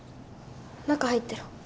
中入ってろ。